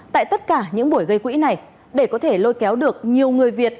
tại tất cả những buổi gây quỹ này để có thể lôi kéo được nhiều người việt